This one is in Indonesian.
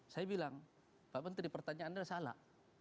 saya bilang pak menteri pertanyaan anda salah